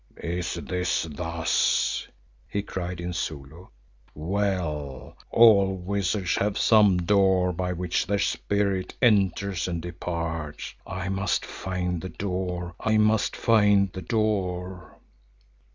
"Is it thus!" he cried in Zulu. "Well, all wizards have some door by which their Spirit enters and departs. I must find the door, I must find the door!"